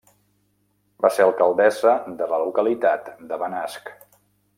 Va ser alcaldessa de la localitat de Benasc.